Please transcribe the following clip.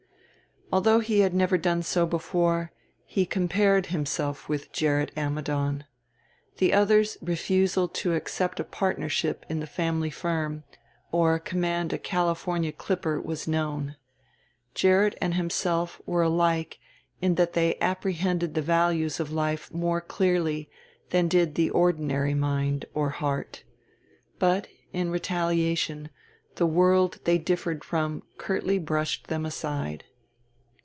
Although he had never done so before, he compared himself with Gerrit Ammidon. The other's refusal to accept a partnership in the family firm or command a California clipper was known. Gerrit and himself were alike in that they apprehended the values of life more clearly than did the ordinary mind or heart. But, in retaliation, the world they differed from curtly brushed them aside.